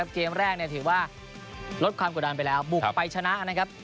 เกมแรกถือว่าลดความกุดอันไปแล้วบุกไปชนะ